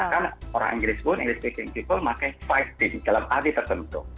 kan orang inggris pun english speaking people pakai fighting dalam arti tertentu